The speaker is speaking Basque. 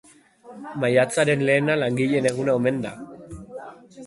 Maiatzaren lehena langileen eguna omen da.